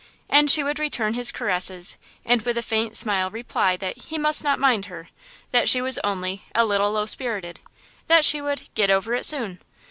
And she would return his caresses, and with a faint smile reply that he "must not mind" her, that she was only "a little low spirited," that she would "get over it soon."